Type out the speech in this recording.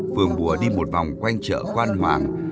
phường bùa đi một vòng quanh chợ quan hoàng